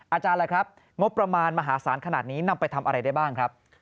อะไรครับงบประมาณมหาศาลขนาดนี้นำไปทำอะไรได้บ้างครับ